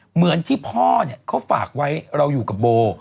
เหมือนที่พ่อเนี่ยเขาฝากไว้เราอยู่กับโบ